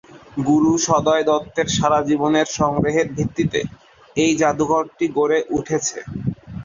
গুরুসদয় দত্তের সারা জীবনের সংগ্রহের ভিত্তিতে এই জাদুঘরটি গড়ে উঠেছে।